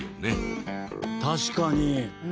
確かに。